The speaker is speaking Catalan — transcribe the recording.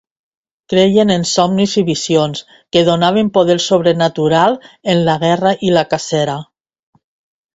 Creien en somnis i visions que donaven poder sobrenatural en la guerra i la cacera.